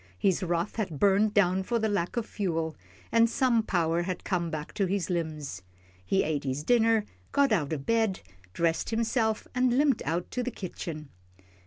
His wrath had burned down for lack of fuel, and some power had come back to his limbs. He ate his dinner, got out of bed, dressed himself, and limped out to the kitchen.